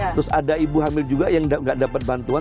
terus ada ibu hamil juga yang gak dapat bantuan